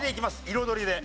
彩りで。